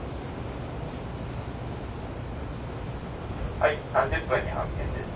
「はい３０分に発見です」。